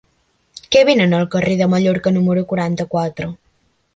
Què venen al carrer de Mallorca número quaranta-quatre?